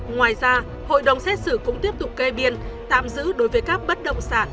ngoài ra hội đồng xét xử cũng tiếp tục kê biên tạm giữ đối với các bất động sản